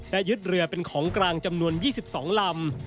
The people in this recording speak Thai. และยึดเรือเป็นของกลางจำนวน๒๒ลำ